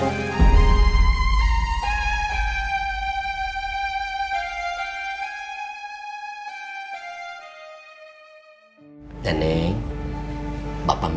uangnya neng yang pegang